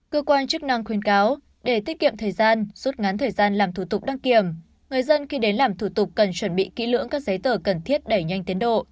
cơ quan chức năng khuyên cáo để tiết kiệm thời gian rút ngắn thời gian làm thủ tục đăng kiểm người dân khi đến làm thủ tục cần chuẩn bị kỹ lưỡng các giấy tờ cần thiết đẩy nhanh tiến độ